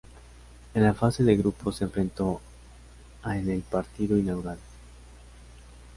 En la fase de grupos se enfrentó a en el partido inaugural.